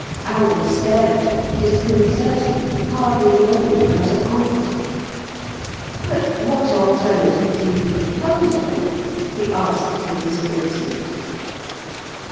Alan stared at her, disconcerted, hardly knowing how to answer. "But what alternative do you propose, then?" he asked in his amazement.